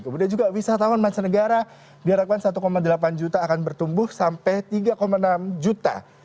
kemudian juga wisata tahun masyarakat negara diharapkan satu delapan juta akan bertumbuh sampai tiga enam juta